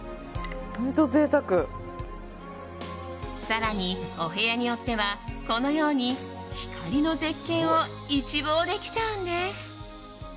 更に、お部屋によってはこのように光の絶景を一望できちゃうんです。